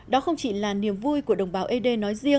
đó không chỉ là niềm vui của đồng bào